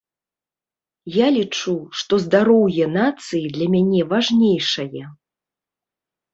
Я лічу, што здароўе нацыі для мяне важнейшае.